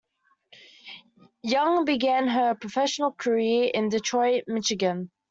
Young began her professional career in Detroit, Michigan.